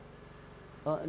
dia untuk apa